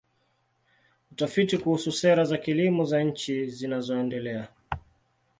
Utafiti kuhusu sera za kilimo za nchi zinazoendelea.